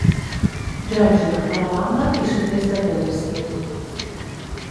Geòrgia, Alabama i sud-est de Tennessee.